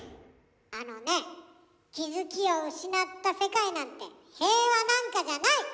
あのね気付きを失った世界なんて平和なんかじゃない！